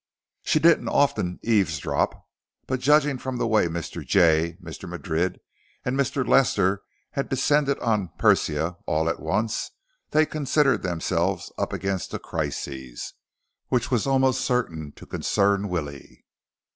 She didn't often eavesdrop. But judging from the way Mr. Jay, Mr. Madrid and Mr. Lester had descended on Persia all at once, they considered themselves up against crisis, which was almost certain to concern Willie.